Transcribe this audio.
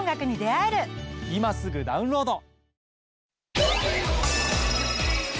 今すぐダウンロード！